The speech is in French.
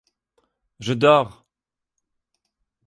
Je dors !